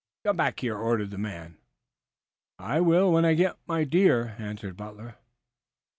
"Come back here!" ordered the man. "I will when I get the deer," answered Butler.